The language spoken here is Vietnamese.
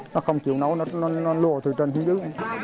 nó không chịu nấu nó lùa từ trên phía dưới